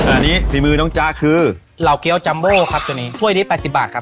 อันนี้ฝีมือน้องจ๊ะคือเหล่าเกี้ยวจัมโบ้ครับตัวนี้ถ้วยนี้๘๐บาทครับ